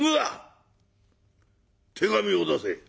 手紙を出せ。